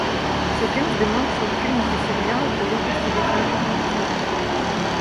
Затым здымаўся ў фільмах і серыялах, у якасці дзіцячага акцёра.